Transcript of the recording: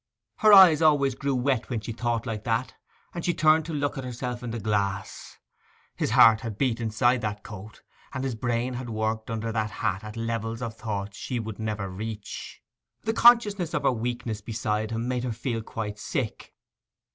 Her eyes always grew wet when she thought like that, and she turned to look at herself in the glass. His heart had beat inside that coat, and his brain had worked under that hat at levels of thought she would never reach. The consciousness of her weakness beside him made her feel quite sick.